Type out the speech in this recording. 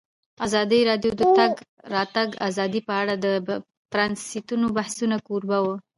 ازادي راډیو د د تګ راتګ ازادي په اړه د پرانیستو بحثونو کوربه وه.